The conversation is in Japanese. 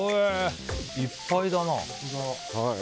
いっぱいだな。